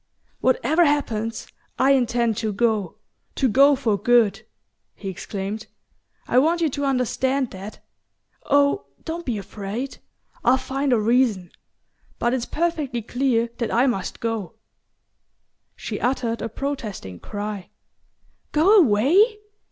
"Whatever happens, I intend to go to go for good," he exclaimed. "I want you to understand that. Oh, don't be afraid I'll find a reason. But it's perfectly clear that I must go." She uttered a protesting cry. "Go away?